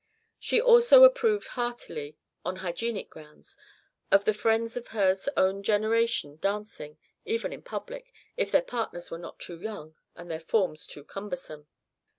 She also approved heartily, on hygienic grounds, of the friends of her own generation dancing, even in public, if their partners were not too young and their forms too cumbersome.